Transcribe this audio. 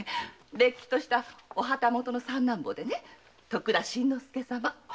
れっきとしたお旗本の三男坊で徳田新之助様。